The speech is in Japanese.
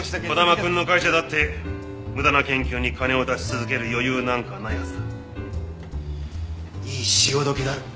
児玉くんの会社だって無駄な研究に金を出し続ける余裕なんかないはずだ。